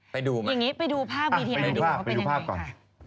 ไปดูภาพก่อน